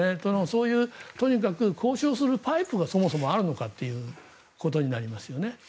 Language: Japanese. そういうとにかく交渉するパイプがそもそもあるのかということになりますよね。